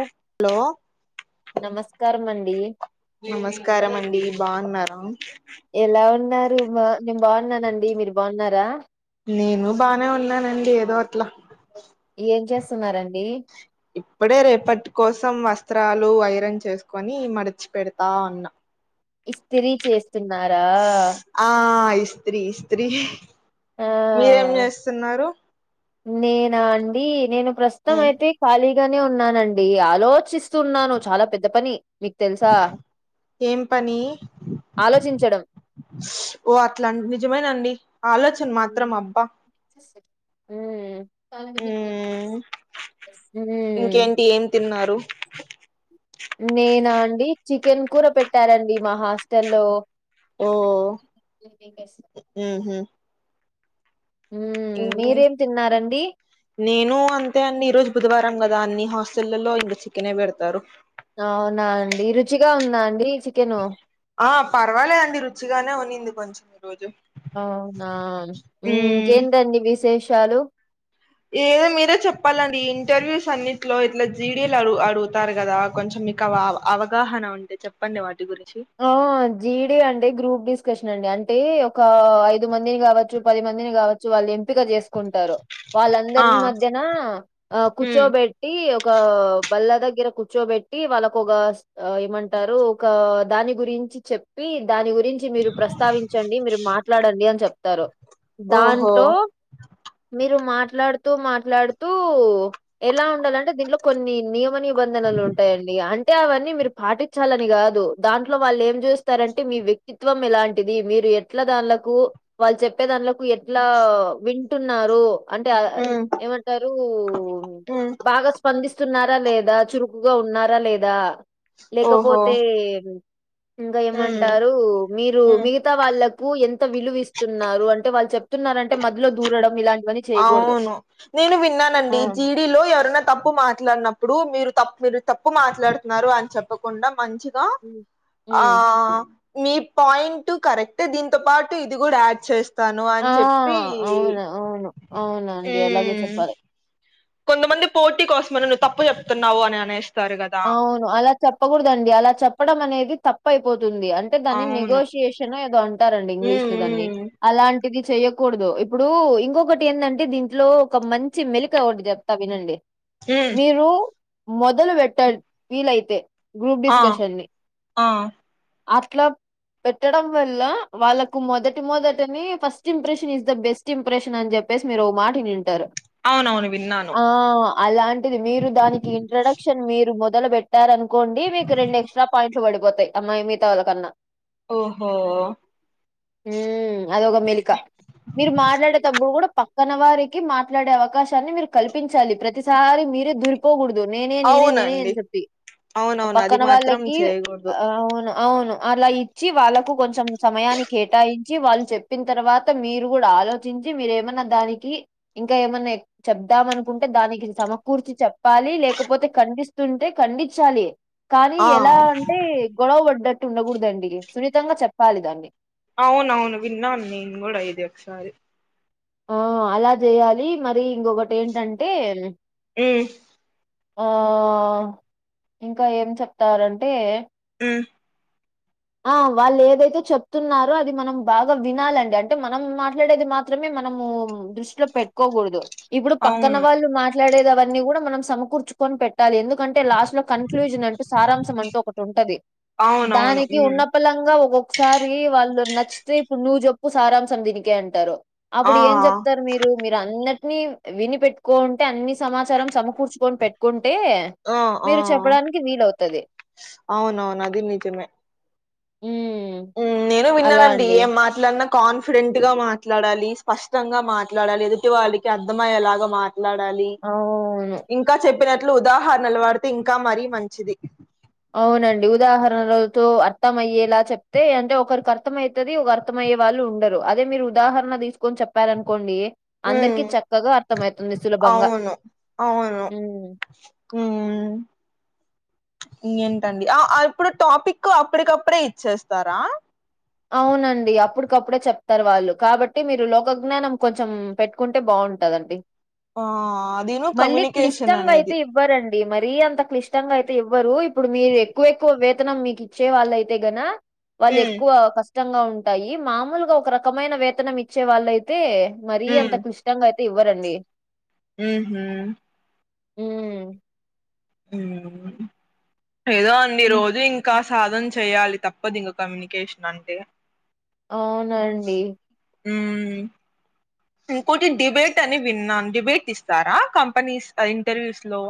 ఒ హలో నమస్కారం అండి నమస్కారం అండి బాగున్నారా ఎలా ఉన్నారూ మీరు నేను బావున్నానండి మీరు బావున్నారా నేను బానే ఉన్నానండి ఏదో అట్ల ఎం చేస్తున్నారండీ ఇప్పుడే రేపటి కోసం వస్త్రాలు ఐరన్ చేసుకొని మడిచి పెడతా న్న ఇస్త్రీ చేస్తున్నారా ఆ ఇస్త్రీ ఇస్త్రీ ఆ మీరేం చేస్తున్నారు నేనా అండి నేను ప్రస్తుతం అయితే ఖాళీగానే ఉన్నానండి. ఆలోచిస్తూన్నాను చాలా పెద్ద పని మీకు తెలుసా ఏం పని ఆలోచించడం ఓ అట్లా నిజమేనండి ఆలోచన మాత్రం అబ్బా ఉమ్ హ్ ఇంకేంటి ఏం తిన్నారు నేనా అండి చికెన్ కూర పెట్టారండి మా హాస్టల్లో ఓ చికెన్ నేనే చేస్తా ఉహు మ్ మీరేం తిన్నారండి నేను అంతే అండి ఈ రోజు బుధవారం కదా అన్నీ హాస్టల్లలో ఇంకా చికెనే పెడతారు అవునా అండి రుచిగా ఉందా అండీ చికెను ఆ పర్వాలే అండి రుచిగానే ఉనింది కొంచెం ఈరోజు అవునా ఇంకేంటండి విశేషాలు. ఏదో మీరే చెప్పాలండి ఈ ఇంటర్వ్యూస్ అన్నింటిలో ఇట్లా జీడిఎల్ అడుగుతారు కదా కొంచెం మీ అవగాహన ఉంటే చెప్పండి వాటి గురించి ఆ జీ డీ అంటే గ్రూప్ డిస్కషన్ అండి అంటే ఒకా ఐదు మందిని గావచ్చు పది మందిని గావ వాళ్ళు ఎంపిక చేసుకుంటారు ఆ వాళ్ళందరి మధ్యనా ఆ ఉమ్ కూర్చోబెట్ ట్టి ఒక బల్ల దగ్గర కూర్చోబెట్టి వాళ్ళకు ఒక ఏమంటారు ఒక దాని గురించి చెప్పి దాని గురించి మీరు ప్రస్తావించండి మీరు మాట్లాడండి అని చెప్తారు. ఓహో దాంట్లో మీరు మాట్లాడుతూ మాట్లాడుతూ ఎలా ఉండాలంటే దీనిట్లో కొన్ని నియమ నియమ నిబంధనలు ఉంటాయండి అంటే అవన్నీ మీరు పాటించాలని కాదు దాంట్లో వాళ్ళు ఏం చూస్తారంటే మీ వ్యక్తిత్వం ఎలాంటిది మీరు ఎట్లా దాంలకు వాళ్ళు చెప్పే దాన్లకు ఎట్లా వింటున్నారు అంటే ఉమ్ ఏమంటారు ఉమ్ బాగస్ స్పందిస్తున్నారా లేదా, చురుకుగా ఉన్నారా లేదా, ఓహో లేకపోతే ఇంకా ఉమ్ ఏమంటారు మీరు ఉమ్ మీ గత వాళ్ళలకు ఎంత విలువ ఇస్తున్నారు అంటే వాళ్ళు చెప్తున్నారంటే మధ్యలో దూరడం ఇలాంటివన్నీ చేయకూడదు. అవును నేను ఆ! విన్నానండి జీ మీలో ఎవరన్నా తప్పు మాట్లాడినప్పుడు మీరు తప్పు మీరు తప్పు మాట్లాడుతున్నారు అని చెప్పకుండా మంచి హ్మ్. ఆ హ్మ్. మీ పాయింట్ కరెక్ట్ ఏ దీంతో పాటు ఇది కూడా యాడ్ చేస్త ఆ అవును అవును అవునండి అలాగే మ్ చెప్పాలి కొంతమంది పోటీ కోసమనే నువ్వు తప్పు చెప్తున్నావు అని అనేస్ అవును అలా చెప్పకూడదండి అలా చెప్పడం అనేది తప్పు అయిపోతుంది అన్ అయితే దాన్ని అవును నెగోషియేషన్ ఏదో అంటారండి మ్ ఇంగ్లీష్ లో దాన్ని మ్ అలాంటిది చెయ్యకూడదు ఇప్పుడూ ఇంకొకటి ఎందంటే దింట్లో ఒక మంచి మెలిక ఓటి జెప్ త వినండి మ్ మీరు మొదలు పెట్టం వీల్ అయితే గ్రూప్ ఆ డిస్కషన్ ని ఆ అట్లా పెట్టడం వల్ల వాళ్ళకు మొదటి మొదటనే first impression is the best impression అని చేప్పేసి మీరు ఓ మాట వినుంటారు. అవునవును విన్నాను ఆ అలాంటిది మీరు దానికి ఇంట్రడక్షన్ మీరు మొదలు పెట్ చేప్పారునుకోండి మీకు రెండేక్స్ట్రా పాయింట్లు పడిపోతయ్ అమ్మాయి మిగతా వాళ్ళ కన్నా ఓహో ఉ అదొక మెలిక మీరు మాట్లాడేటప్పుడు గూడ పక్కన వారికి మాట్లాడే అవకాశాన్ని మీరు కల్పించాలి ప్రతిస్ సారి మీరే దురిపోకూడదు నేనే నేనే నేనే అవునండి అని చెప్పి అవునవును అది పక్కన మాత్రం వాళ్ళకి చేయకూడదు ఆ అవును అవును అలా ఇచ్చి వాళ్ళకు కొంచెం సమయాన్ని కేటాయించి వాళ్ళు చెప్పిన్ తర్వాత మీరు గూడ ఆలోచించి మీరేమన్నా దానికి ఇంకా ఏమన్నా ఎ చెబదాం అనుకుంటే దానికి సమకూర్చి చెప్పాలి లేకపోతే కనిపిస్తు తుంటే ఖండిచ్చాలి కానీ ఆ ఎలా అంటే గొడవ పడ్డ ట్టు ఉండకూడదండి సున్నితంగా చెప్పాలి దాన్ని అవును అవును విన్నాను నేను కూడా ఇది ఒకసారి ఆ అలా జెయ్యాలి మరి ఇంగొకటి ఏంటంటే ఊ ఆ ఇంకా ఏం చెప్తారంటే ఊ ఆ వాళ్ళు ఏదైతే చెప్తున్నారో అది మనం బాగా వినాలండి అంటే మనం మాట్లాడేది మాత్రమే మనము దృష్టిలో పెట్టుకోగూడదు ఇప్పుడు పక్కన అవును వాళ్ళు మాట్లాడేది అవన్నీ కూడా మనం సమకూర్చుకొని పెట్టాలి ఎందుకంటే లాస్ట్ లో కన్క్లూజన్ అంటూ సారాంశం అంటూ ఒకటి ఉంటది అవునవును దాని మ్ ఫలంగా ఒక్కొక్కసారి వాళ్ళు నచ్చితే ఇప్పుడు నువ్వు జెప్పు సారాంశం దీనికే అంటారు ఆ అప్పుడు ఏం చెప్తారు మీ రు మీరు అందటినీ విని పెట్టుకోవుంటే అన్ని సమాచారం సమకూర్చుకొని పెట్టుకుంటే మీరు చెప్పడానికి వీలవుతది అవును అవును అది నిజమే ఊమ్ ఉమ్ నేనూ విన్నానండి ఏం మా ట్లన్నా కాన్ఫిడెంట్ గా మాట్లాడాలి స్పష్టంగా మాట్లాడాలి ఎదుటి వాళ్ళికి అర్థమయ్యేలాగా మా ట్లాడాలి అవును ఇంకా చెప్పినట్లు ఉదాహరణలు వాడితే ఇంకా మరీ మంచిది అవునండి ఉదాహరణలతో అర్థం అయ్యేలా చెప్తే అంటే ఒకరికి అర్తమై తది ఒక అర్థమయ్యే వాళ్ళు ఉండరు అదే మీరు ఉదాహరణ తీసుకొని చెప్పారనుకోండి ఉమ్ అందరికీ చక్కగా అర్థమైతుంది సులభంగా అవును ఊ ఊ ఇంకేంటండి ఆ ఇప్పుడు టాపిక్ అప్పడికప్పుడే ఇచ్చేస్తారా అవునండి అప్పుటికప్పుడే చెప్తారు వాళ్ళు కాబట్టి మీరు లోకజ్ఞానం కొంచెం పెట్టుకుంటే బావుంటాదండి ఆ అదీనూ కమ్యూనికేషన్ అనేది వ్వరండి మరీ అంత క్లిష్టంగా అయితే ఇవ్వరు ఇప్పుడు మీరు ఎక్కువ ఎక్కువ వేతనం మీకి చ్చే వాళ్ళు అయితే గన వాళ్ళే ఉమ్ ఓ కష్టంగా ఉంటాయి మామూలుగా ఒక రకమైన వేతనం ఇచ్చేవాళ్ళు అయితే మరీ అంత ఉమ్ క్లిష్ టంగా అయితే ఇవ్వరండి ఊహూ ఊ ఊమ్ ఏదో అండి హ్మ్. రోజూ ఇం కా సాధన చెయ్యాలి తప్పదు ఇంక కమ్యూనికేషన్ అంటే అవునండి ఊ ఇంకోటి డిబేట్ అని విన్నాను డిబేట్ ఇస్తారా కంపెనీస్ ఆ ఇంటర్వ్యూస్ లో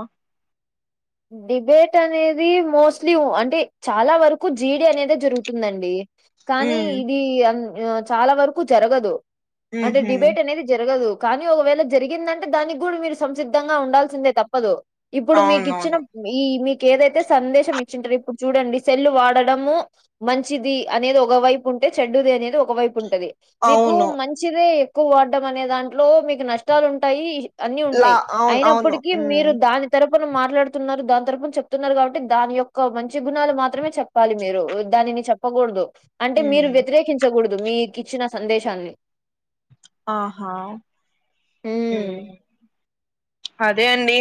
డిబేట్ అనేది మోస్ట్లీ అంటే చాలా వరకూ జీ డీ అనేదే జరుగుతుందండి కానీ మ్మ్ ఇది అన్ ఊ చాలా వరకూ జరగదు అంటే ఊహూ డిబేట్ అనేది జరగదు కానీ ఒకవేళ జరిగిందంటే దానికి కూడా మీరు సంసిద్ధంగా ఉండాల్సిందే తప్పదు ఇప్పుడు మీకి అవునవును ఈ మీకు ఏదైతే సందేశం ఇచ్చింటరో ఇప్పుడు చూడండి సెల్లు వాడడము మంచిది అనేది ఒక వైపు ఉంటే చెడ్డుది అనేది ఒక వైపు ఉంటది మీకు అవును మంచిదే ఎక్కువ వాడ్డం అనే దాంట్లో మీకు నష్టాలు ఉంటాయి అన్నీ లా ఉంటాయి అవును అవును అయినప్పటికీ మ్మ్ మీరు దాని తరపున మాట్లాడు చెప్తున్నారు దాని తరపున చెప్తున్నారు తున్నారు దాని తరపున చెప్తున్నారు కాబట్టి దాని యొక్క మంచి గుణాలు మాత్రమే చెప్పాలి మీరు దానిని చెప్పకూడదు అంటే మీరు మ్మ్ వ్యతిరేకించకూడదు మీకిచ్చిన సందేశాన్ని ఆహా హ్మ్. అదే అండి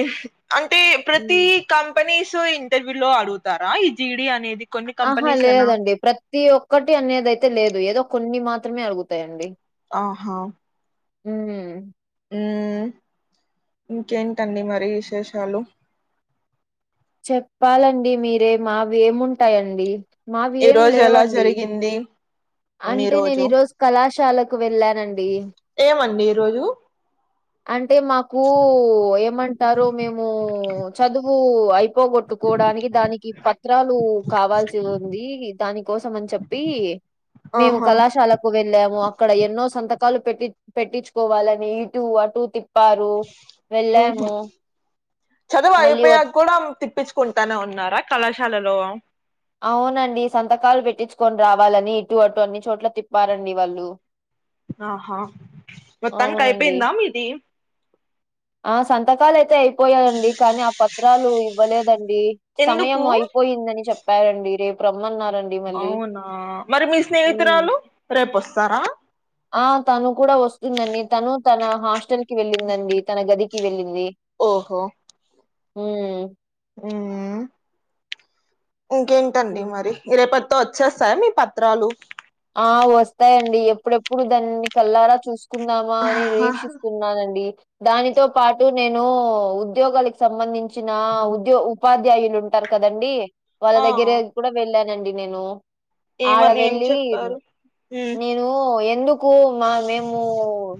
అంటే ప్రతి హ్మ్. కంపెనీస్ ఇంటర్వ్యూ లో అడుగుతారా ఈ జీడీ అనేది కొన్ని ఆహా కంపెనీస్ ఏనా లేదండి ప్రతి ఒక్కటి అనేది అయితే లేదు ఏదో కొన్ని మాత్రమే అడుగుతాయండి ఆహా హ్మ్ మ్మ్ ఇంకేంటండి మరి విశేషాలు చెప్పాలండి మీరే మావి ఏముంటాయండి మావి ఈ ఏం రోజు ఎలా లేవండి జరిగింది మీ అంటే నేను రోజు ఈరోజు కళాశాలకు వెళ్ళానండి ఏమండి ఈ రోజు అంటే మాకు ఏమంటారు మేము చదువు అయిపోగొట్టు కోడానికి దానికి పత్రాలు కావాల్సి ఉంది దాని కోసం అని చెప్పి మేము ఆహా కళాశాల కు వెళ్ళాము అక్కడ ఎన్నో సంతకాలు పెట్టి పెట్టించుకోవాలని ఇటు అటు తిప్ ఉహుం చదువు మళ్ళీ వ అయిపోయాం కూడా తిప్ పించుకుంటానే ఉన్నారా కళాశాలలో అవునండి సంతకాలు పెట్టించుకొని రావాలని ఇటు అటు అన్ని చోట్ల తిప్పారండి వాళ్ళు ఆహా మొత్తానికి అవునండి అయిపోయిందా మీది ఆ సంతకాలు అయితే అయిపోయాయండి కానీ ఆ పత్రాలు ఇవ్వలేదండి సమయం ఎందుకు అయిపోయిందని చెప్పారండి రేపు రమ్మన్నారన్ అవునా మరి మీ ఉమ్ స్నేహితురాలు రేపొస్తారా ఆ తను కూడా వస్తుందండి తను తన హాస్టల్ కి వెళ్ళిందండి తన గదికి వెళ్ళింది ఓహో హ్మ్ హ్మ్ ఇంకేంటండి ఉమ్ మరి రేపటితో వచ్చేస్తాయ మీ పత్రాలు ఆ వస్తాయండి ఎప్పుడెప్పుడు దాన్ని కల్లారా చూసు కుందామా అని నిరీక్షిస్తున్నానండి దానితో పాటు నేను ఉద్యోగాలకు సంబంధించిన ఉద్యో ఉపాధ్యాయులు ఉంటారు కదండి వాళ్ళ దగ్గర ఆ కూడా వెళ్ళానండి నేను ఆడ ఏమని ఏం వెళ్ళి చెప్ప నేను ఎందుకు మా మేం వు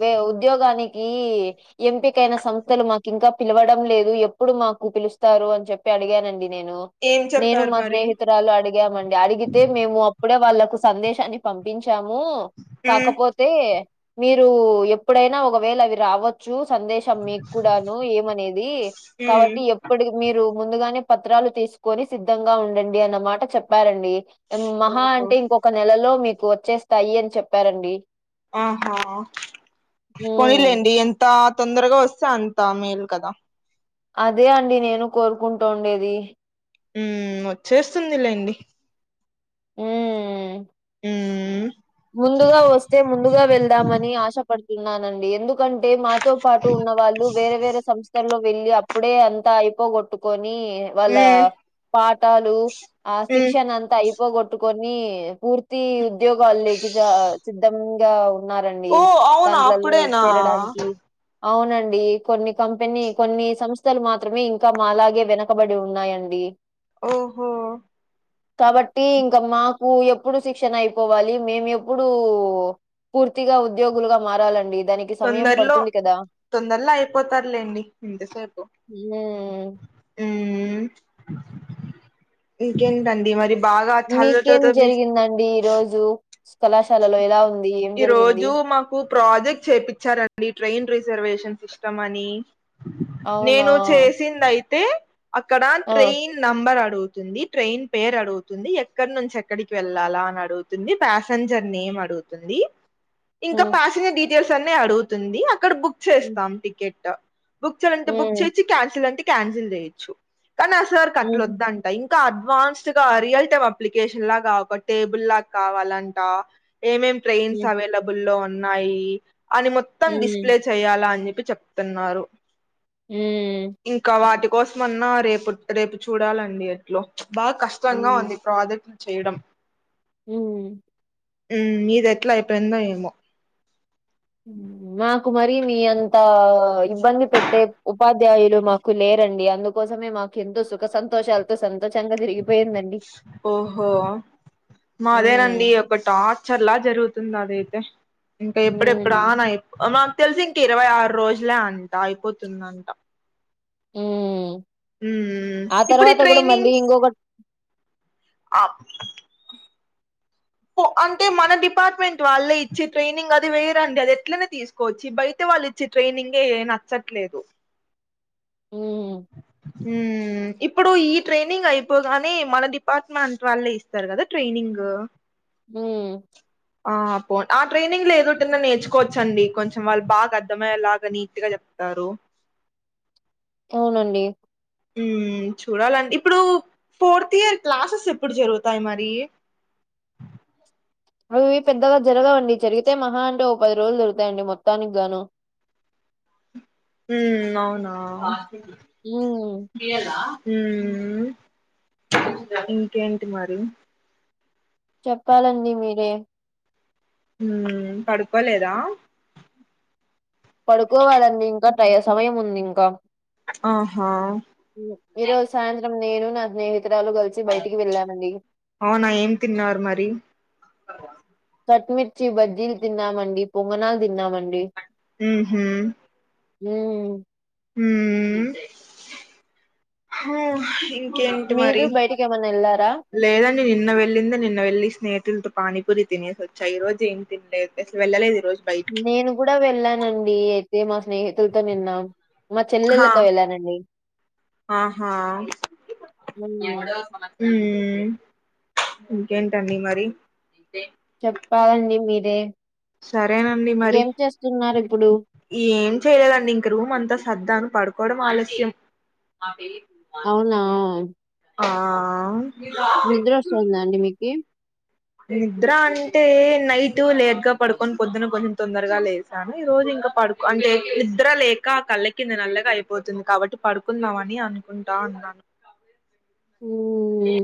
వే ఉద్యోగానికి ఎంపికైన సంస్థలు మాకు ఇంకా పిలవడం లేదు ఎప్పుడు మాకు పిలుస్తారు అని చెప్పి అడిగానండి నేను ఏం నేను చెప్పారు మా మరి స్నేహితురాలు అడిగామండి అడిగితే మేము అప్పుడే వాళ్ళకు సందేశాన్ని పంపించాము ఉమ్ కాకపో తే మీరు ఎప్పుడైనా ఒకవేళ అవి రావచ్చు సందేశ్ మీక్కూడాను ఏమనేది ఉమ్ కాబట్టి ఎప్పడి మీరు ముందుగానే పత్రాలు తీసుకొని సిద్ధంగా ఉండండి అన్న మాట చెప్పారండి మహా ఓహో అంటే ఇంకొక నెలలో మీకు వచ్చేస్తాయి అని చెప్పారండి ఆహా హ్మ్. పోనిలేండి ఎంత తొందరగా వస్తే అంత మేలు కదా అదే అండి నేను కోరుకుంటూ ఉండేది ఉమ్ వచ్చేస్తుందిలేండి ఉమ్ మ్మ్ ముందుగా వస్తే ముందుగా వెళ్దామని ఆశపడుతున్నానండి ఎందుకంటే మా తో పాటు ఉన్న వాళ్ళు వేరే వేరే సంస్థల్లో వెళ్ళలి అప్పుడే అంతా అయిపోగొట్టుకొని వాళ్ళ మ్మ్ పాఠాలు ఆ మ్మ్ శిక్షణ అంతా అయిప్ పోగోట్టుకొని పూర్తి ఉద్యోగాల్ లేకి ఆ సిద్ధంగా ఉన్నారండి ఓ అవునా దాంట్లలో అప్పుడేనా చేరడానికి అవునండి కొన్ని కంపెనీ కొన్ని సంస్థలు మాత్రమే ఇంకా మాలాగే వెనకబడి ఉన్నాయండి ఓహో కాబట్టి ఇంకా మాకు ఎప్పుడు శిక్షణ అయిపోవాలి మేము ఎప్ ప్పుడు పూర్తిగా ఉద్యోగులుగా మారాలండి దానికి సమయం పడుతుంది కదా తొందర్లో అయిపోతారులేండి ఎంతసేపు హ్మ్. మ్ ఇంకేంటండి మరి బాగా చాలా మీకేం రోజుల మిస్ జరిగిందండి ఈ రోజు కళాశాలలో ఎలా ఉంది ఏం జరిగింది కు ప్రాజెక్ట్ చేయిించారండి ట్రైన్ రిజర్వేషన్ సిస్టమ్ అని అవునా! నేను చేసింది అయితే అక్కడ ఆ! ట్రైన్ నంబర్ అడుగుతుంది ట్రైన్ పేరు అడుగుతుంది ఎక్కడి నుంచి ఎక్కడికి వెళ్ళాల అని అడుగుతుంది ప్యస్ సెంజర్ నేమ్ అడుగుతుంది ఇంకా హ్మ్. ప్యాసెంజర్ డీటెయిల్స్ అన్ని అడుగుతుంది అక్కడ బుక్ హ్మ్. చేస్తాం టికెట్ బుక్ చేయాలంటే బుక్ హ్మ్. చేయొచ్చు క్యాన్సిల్ అంటే క్యాన్సిల్ చేయొచ్చు కానీ ఆ సార్ హుహు. కట్లోద్దన్ ఇంకా అడ్వాన్స్డ్ గా రియల్ టైమ్ అప్లికేషన్ లా కావక్ టేబుల్ లా కావాలం ట ఎమ్ ఎమ్ ట్రైన్స్ హ్మ్. అవైలబుల్ లో ఉన్నాయి అని మొత్తం హ్మ్. డిస్ప్లే చెయ్యలా అని చెప్పి చెప్తున్నారు హ్మ్ ఇంకా వాటి కోసమన్న రేపు రేపు చూడాలండి ఎట్లో బాగా కష్ ష్టంగా హ్మ్. ఉంది ప్రాజెక్ట్లు చేయడం మ్ హ్మ్ నిది ఎట్లా అయిపోయిందో ఏమో మ్ మాకు మరి మీ అంత ఇబ్బంది పెట్టే ఉపాధ్యాయులు మాకు లేరండి అందుకోసమే మాక్ ఎంతో సుఖ సంతోషాలతో సంతోషంగా తిరిగిపోయిందం ఓహో మాదేనండి హ్మ్. ఒక టార్చర్ ల జరుగుతుంది అదైతే ఇంకా ఎప్పుడెప్పుడ హ్మ్. ఆన్ మాకు తెలిసి ఇంక ఇరవై ఆరు రోజులే అంట అయిపోతుందంట మ్ ఉమ్ ఆ ఇప్పుడు ఈ తర్వాత కూడా ట్రైనింగ్ మళ్ళీ ఇంకొక అప్ ప్ అంటే మన డిపార్ట్మెంట్ వాళ్ళే ఇచ్చి ట్రైనింగ్ అది వేరండి అది ఎట్లనే తీసుకో కొచ్చు ఈ బయట వాళ్ళు ఇచ్చే ట్రైనింగే నచ్చట్లేదు హ్మ్. మ్ ఇప్పుడు ఈ ట్రైనింగ్ అయిపోగానే మన డిపార్ట్మెంట్ వాళ్ళే ఇస్ స్తరు కదా ట్రైనింగ్ మ్ ఆ పో ఆ ట్రైనింగ్ లో ఏదోటన్నా నేర్చుకోవచ్చండి కొంచెం వాళ్ళు బాగా అర్థమయ్యేలాగా నీట్గా చెప్తారు అవునండి మ్ చూడాలండి ఇప్పుడు ఫోర్త్ ఇయర్ క్లాసెస్ ఎప్పుడు జరుగుతాయి మరి అవి పెద్దగా జరగవండి జరిగితే మహా అంటే ఓ పది రోజులు జరుగుతాయండి మొత్తానికి గాను అవునా మ్ మ్ ఇంకేంటి మరి చెప్పాలండి మీరే హ్ పడుకోలేదా పడుకోవాలండి ఇంకా టై సమయం ఉంది ఇంకా ఆహా ఈ రోజు సాయంత్రం నేను నా స్నేహితురాలు కలిసి బయటికి వెళ్ళామండి అవునా ఏం తిన్నారు మరి కట్ మిర్చి బజ్జీలు తిన్నామండి పొంగనాలు తిన్నామండి ఉహు ఊ హ్మ్ ఏంటి మరి మీరు బయటికేమన్నా ఎళ్లారా? లేదండి నిన్న వెళ్ళిందే నిన్న వెళ్ళి స్నేహితులతో పానీపూరి తినేసి వచ్చా ఈ రోజు ఏ తినలేదు అసలు వెళ్ళలేదు ఈ రోజు బయటికి నేను కూడా వెళ్ళానండి అదే మా స్నేహితులతో నిన్నా మా హా చెల్లెళ్లతో వెళ్ళానండి ఆహా హ్మ్. హ్మ్ ఇంకేంటండి మరి చెప్పాలండి మీరే సరేనండి మరి ఏం చేస్తున్నారు ఇప్పుడు ఏం చేయలేదండి ఇంక రూమ్ అంతా సర్దాను పడుకోవడం ఆలస్యం అవి అవునా! అ ఆ నిద్ర వస్తుందా అండి మీకి నిద్ర అంటే నైట్ లేటుగా పడుకొని పొద్దున కొంచెం తొందరగా లే కానీ రోజు ఇంకా పడుకో అంటే నిద్ర లేక కళ్ళ కింద నల్లగా అయిపోతుంది కాబట్టి పడుకుందామని అనుకుంటా ఉన్నాను హ్మ్